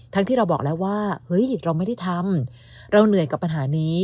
ที่เราบอกแล้วว่าเฮ้ยเราไม่ได้ทำเราเหนื่อยกับปัญหานี้